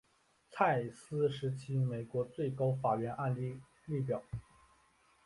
蔡斯时期美国最高法院案例列表